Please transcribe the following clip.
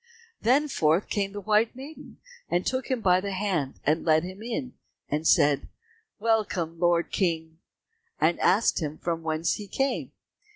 Then forth came the white maiden, took him by the hand, led him in, and said, "Welcome, Lord King," and asked him from whence he came.